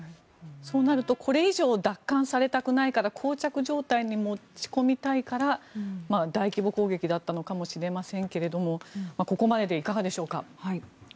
そうなるとこれ以上、奪還されたくないからこう着状態に持ち込みたいから大規模攻撃だったのかもしれませんけどここまででいかがでしょうか。